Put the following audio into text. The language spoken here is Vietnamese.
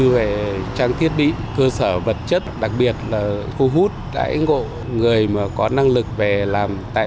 về trang thiết bị cơ sở vật chất đặc biệt là khu hút đãi ngộ người mà có năng lực về làm tại